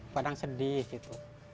kadang sedih gitu